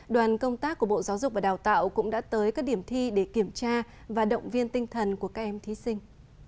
đoàn công tác của bộ giáo dục và đào tạo cũng đã tới các điểm thi để kiểm tra và động viên tinh thần của các em thí sinh